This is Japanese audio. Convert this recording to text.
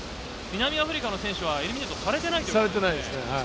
南アフリカの選手はエリミネイトされてないんですね。